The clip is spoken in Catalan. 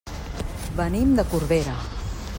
Venim de Corbera.